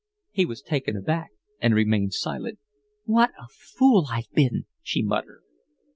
He was taken aback and remained silent. "What a fool I've been," she muttered.